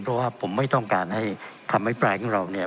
เพราะว่าผมไม่ต้องการให้คำอภิปรายของเราเนี่ย